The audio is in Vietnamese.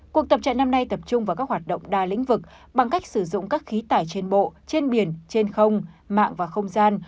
cuộc tập trận năm nay tập trung vào các hoạt động đa lĩnh vực bằng cách sử dụng các khí tải trên bộ trên biển trên không mạng và không gian